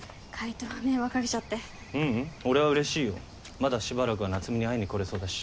まだしばらくは夏海に会いに来れそうだし。